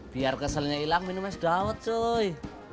biar keselnya hilang minum es daud coy